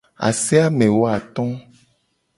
Ase amewoato.